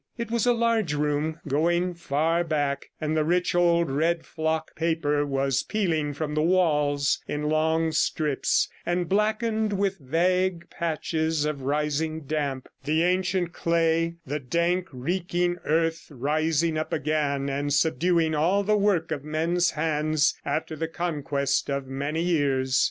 It was a large room, going far back, and the rich, old, red flock paper was peeling from the walls in long strips, and blackened with vague patches of rising damp; the ancient clay, the dank reeking earth rising up again, and subduing all the work of men's hands after the conquest of many years.